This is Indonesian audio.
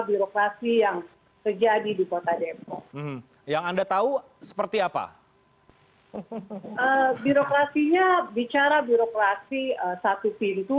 birokrasi yang terjadi di kota depok yang anda tahu seperti apa birokrasinya bicara birokrasi satu pintu